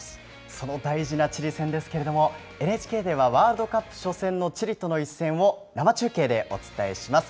その大事なチリ戦ですけど、ＮＨＫではワールドカップ初戦のチリとの一戦を生中継でお伝えします。